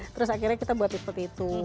terus akhirnya kita buat tipe itu